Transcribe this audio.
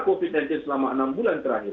covid sembilan belas selama enam bulan terakhir